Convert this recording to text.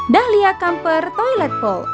dahlia kamper toilet poll